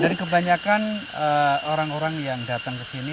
jadi kebanyakan orang orang yang datang kesini